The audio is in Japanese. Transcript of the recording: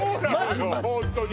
本当に。